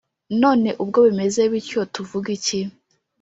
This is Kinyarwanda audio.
"None ubwo bimeze bityo, tuvuge iki?